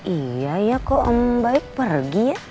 iya ya kok om baik pergi ya